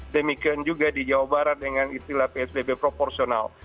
demikian juga di jawa barat dengan istilah psbb proporsional